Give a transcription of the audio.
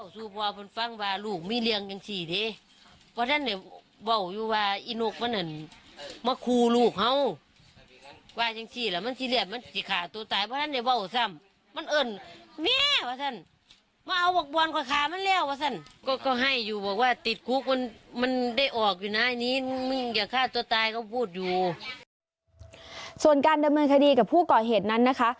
ส่วนการดำเนินคดีกับผู้ก่อเหตุนั้นนะคะ